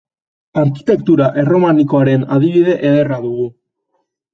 Arkitektura erromanikoaren adibide ederra dugu.